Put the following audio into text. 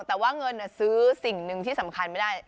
แต่ว่าเงินซื้อสิ่งหนึ่งที่สำคัญไม่ได้